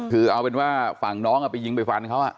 คือเอาเป็นว่าฝั่งน้องไปยิงไปฟันเขา